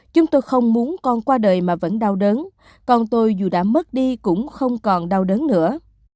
chúng tôi không muốn con qua đời mà vẫn đau đớn con tôi dù đã mất đi cũng không còn đau đớn nữa